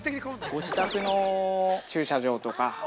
◆ご自宅の駐車場とか。